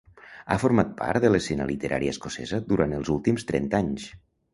Ha format part de l’escena literària escocesa durant els últims trenta anys.